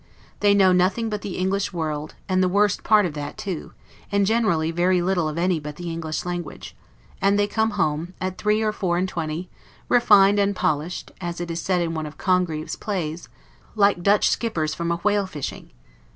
They know nothing but the English world, and the worst part of that too, and generally very little of any but the English language; and they come home, at three or four and twenty, refined and polished (as is said in one of Congreve's plays) like Dutch skippers from a whale fishing.